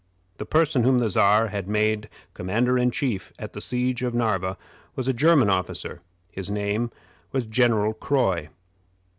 The person whom the Czar had made commander in chief at the siege of Narva was a German officer. His name was General Croy.